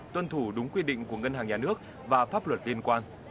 tuân thủ đúng quy định của ngân hàng nhà nước và pháp luật liên quan